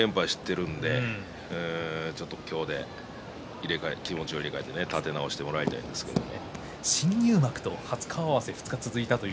ここ２連敗しているのでちょっと今日で気持ちを入れ替えて立て直してもらいたいですけども。